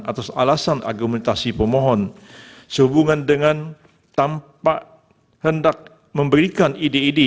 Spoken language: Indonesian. atas alasan argumentasi pemohon sehubungan dengan tampak hendak memberikan ide ide